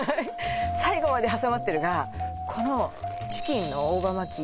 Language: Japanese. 最後まで挟まってるがこのチキンの大葉巻き